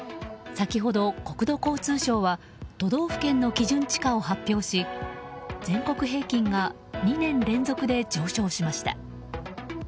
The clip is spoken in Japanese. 先ほど、国土交通省は都道府県の基準地価を発表し全国平均が２年連続で上昇しました。